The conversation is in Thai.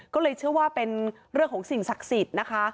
ก็เลยเชื่อว่าเป็นเรื่องของสิ่งศักดิ์สิทธิ์นะคะ